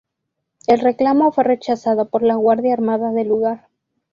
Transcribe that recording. El reclamo fue rechazado por la guardia armada del lugar.